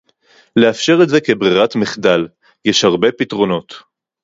לאפשר את זה כברירת מחדל - יש הרבה פתרונות